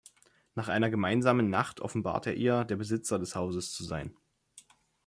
Nach einer gemeinsamen Nacht offenbart er ihr, der Besitzer des Hauses zu sein.